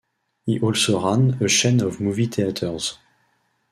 He also ran a chain of movie theaters.